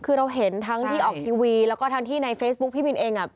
คือเราเห็นทั้งที่ออกทีวีแล้วก็ทั้งที่ในเฟซบุ๊คพี่บินเองอ่ะ